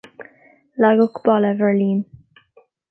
Leagadh Balla Bheirlín.